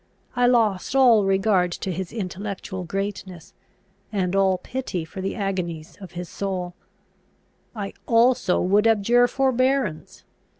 I lost all regard to his intellectual greatness, and all pity for the agonies of his soul. I also would abjure forbearance.